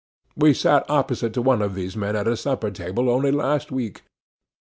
We sat opposite to one of these men at a supper table, only last week.